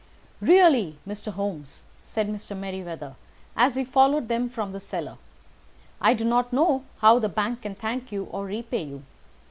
"Really, Mr. Holmes," said Mr. Merryweather as we followed them from the cellar, "I do not know how the bank can thank you or repay you.